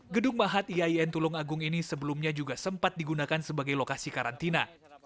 gedung mahat iain tulung agung ini sebelumnya juga sempat digunakan sebagai lokasi karantina